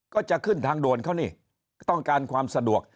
ก็จะขึ้นทางด่วนเขานี่ต้องการความสะดวก